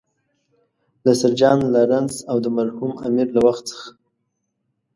له سر جان لارنس او د مرحوم امیر له وخت څخه.